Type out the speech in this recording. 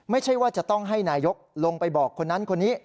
ไม่ใช่ว่าจะต้องให้นายกลงไปบอกคนนั้นคนนี้